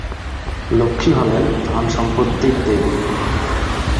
লক্ষ্মী হলেন ধন সম্পত্তির দেবী।